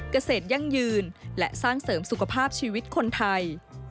เกษตรยั่งยืนและสร้างเสริมสุขภาพชีวิตคนไทย